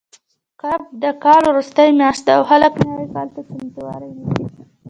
کب د کال وروستۍ میاشت ده او خلک نوي کال ته چمتووالی نیسي.